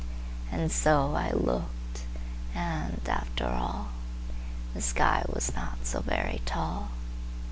And so I looked, and, after all, The sky was not so very tall.